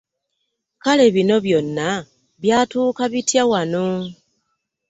Kale bino byonna byatuuka bitya wano?